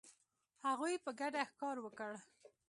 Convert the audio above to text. هغوی په ګډه ښکار وکړ.